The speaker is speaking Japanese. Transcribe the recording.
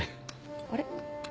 あれ？